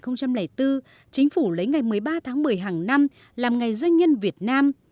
năm hai nghìn bốn chính phủ lấy ngày một mươi ba tháng một mươi hàng năm làm ngày doanh nhân việt nam